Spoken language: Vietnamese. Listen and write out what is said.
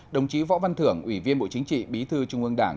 đồng chí võ văn thưởng ủy viên bộ chính trị bí thư trung ương đảng